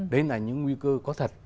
đấy là những nguy cơ có thật